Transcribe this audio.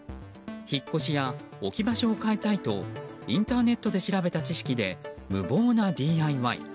引っ越しや置き場所を変えたいとインターネットで調べた知識で無謀なＤＩＹ。